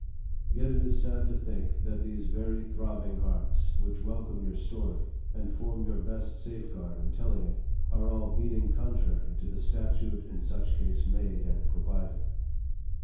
Yet it is sad to think, that these very throbbing hearts which welcome your story, and form your best safe guard in telling it, are all beating contrary to the " stat ute in such case made and provided."